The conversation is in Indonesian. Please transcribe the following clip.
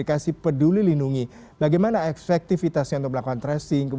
iya bang sadie kalau kita bicara mengenai vaksin booster protokol kesehatan